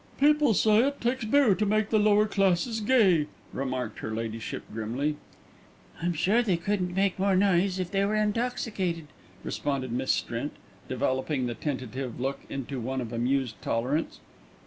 "People say it takes beer to make the lower classes gay," remarked her ladyship grimly. "I'm sure they couldn't make more noise if they were intoxicated," responded Miss Strint, developing the tentative look into one of amused tolerance.